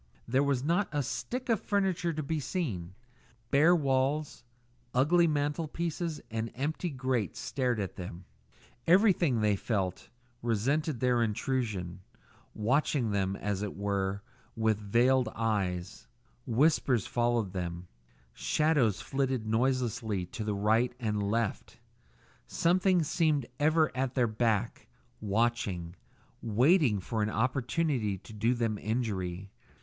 There was not a stick of furniture to be seen. Bare walls, ugly mantel pieces and empty grates stared at them. Everything, they felt, resented their intrusion, watching them, as it were, with veiled eyes; whispers followed them; shadows flitted noiselessly to right and left; something seemed ever at their back, watching, waiting an opportunity to do them injury.